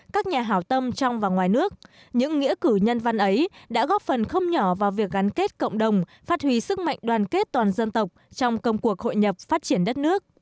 các nhà hảo tâm trong và ngoài nước những nghĩa cử nhân văn ấy đã góp phần không nhỏ vào việc gắn kết cộng đồng phát huy sức mạnh đoàn kết toàn dân tộc trong công cuộc hội nhập phát triển đất nước